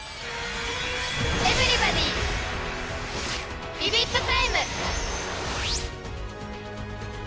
エブリバディービビッとタイム！